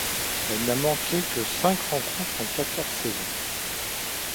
Elle n'a manqué que cinq rencontres en quatorze saisons.